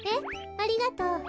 ありがとう。